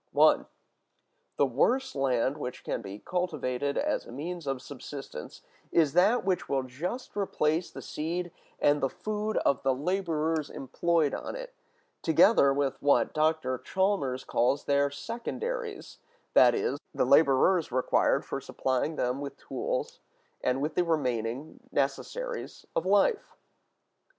(1.) The worst land which can be cultivated as a means of subsistence is that which will just replace the seed and the food of the laborers employed on it, together with what Dr. Chalmers calls their secondaries; that is, the laborers required for supplying them with tools, and with the remaining necessaries of life.